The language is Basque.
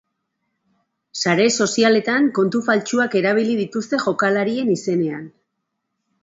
Sare sozialetan kontu faltsuak erabili dituzte jokalarien izenean.